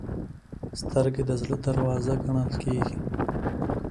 سترګې د زړه دروازه ګڼل کېږي